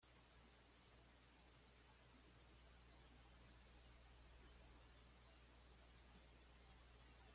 Era un edificio poligonal de madera con tres galerías que rodeaban un patio acierto.